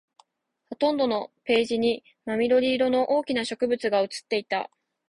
ほとんどのページに真緑色の大きな植物が写っていた